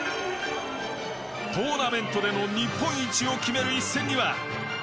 トーナメントでの日本一を決める一戦には。